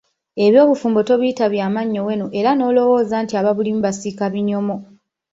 Eby'obufumbo tobiyita bya mannyo wenu era n'olowooza nti ababulimu basiika binyomo!